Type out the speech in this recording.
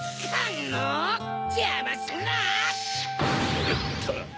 よっと。